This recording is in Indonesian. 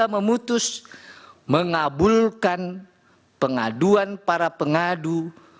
memutus mengabulkan pengaduan para pengadu